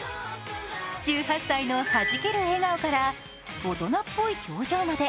１８歳のはじける笑顔から大人っぽい表情まで。